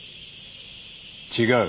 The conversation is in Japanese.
違う。